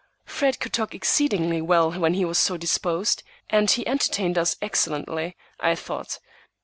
Fred could talk exceedingly well when he was so disposed, and he entertained us excellently, I thought.